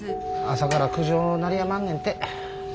朝から苦情鳴りやまんねんて。